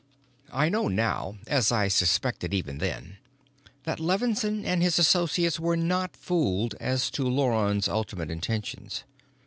I know now, as I suspected even then, that Levinsohn and his associates were not fooled as to Luron's ultimate intentions.